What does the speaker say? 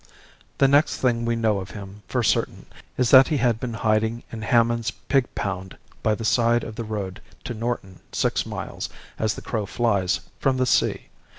The next thing we know of him for certain is that he had been hiding in Hammond's pig pound by the side of the road to Norton six miles, as the crow flies, from the sea.